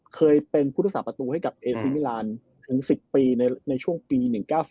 เคยเป็นพุทธศาสตประตูให้กับเอซีมิลานถึง๑๐ปีในช่วงปี๑๙๓